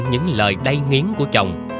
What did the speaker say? những lời đay nghiến của chồng